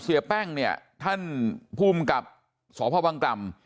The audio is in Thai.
เสียแป้งเนี่ยท่านภูมิกับสพบังกล่ำ